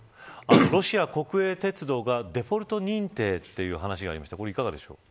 ロシア国営鉄道がデフォルト認定という話がありました。